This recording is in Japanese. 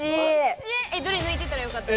どれぬいてたらよかった？